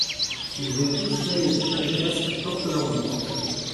Ils ont tous fondé des tarikas qui portent leur nom.